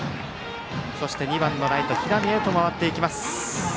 そして２番のライト平見へと回っていきます。